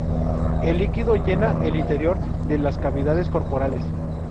El líquido llena el interior de las cavidades corporales.